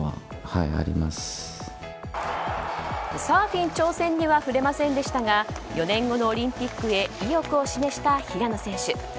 サーフィン挑戦には触れませんでしたが４年後のオリンピックへ意欲を示した平野選手。